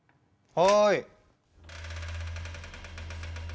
はい。